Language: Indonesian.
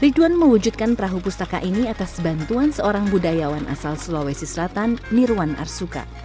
ridwan mewujudkan perahu pustaka ini atas bantuan seorang budayawan asal sulawesi selatan nirwan arsuka